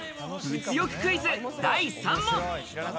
物欲クイズ、第３問。